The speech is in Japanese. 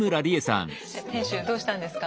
店主どうしたんですか？